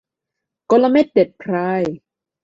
กลเม็ดเด็ดพราย